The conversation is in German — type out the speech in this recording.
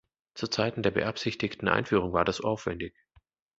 Zu Zeiten der beabsichtigten Einführung war das aufwändig.